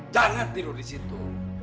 jangan tidur di situ